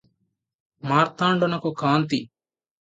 మార్తాండునకు కాంతి